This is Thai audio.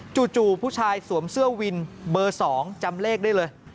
จู่ผู้ชายสวมเสื้อวินเบอร์๒จำเลขได้เลย